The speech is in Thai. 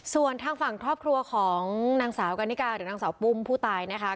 ส่วนทางฝั่งครอบครัวของนางสาวกันนิกาหรือนางสาวปุ้มผู้ตายนะคะ